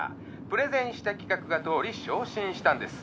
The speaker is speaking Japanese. プレゼンした企画が通り昇進したんです。